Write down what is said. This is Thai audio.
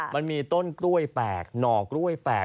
มันมีต้นกล้วยแปลกหน่อกล้วยแปลก